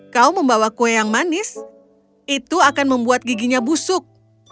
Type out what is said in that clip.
kau membawa kue yang manis itu akan membuat giginya busuk